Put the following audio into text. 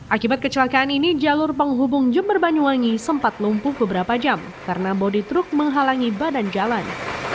akibat kecelakaan ini jalur penghubung jember banyuwangi sempat lumpuh beberapa jam karena bodi truk menghalangi badan jalan